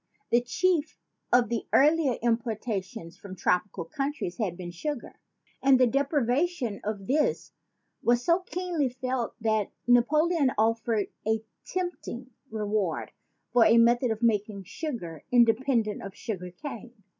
The chief of the earlier importations from tropical countries had been sugar; and the deprivation of this was so keenly felt that Napoleon offered a tempting reward for a method of making sugar inde pendent of sugar cane.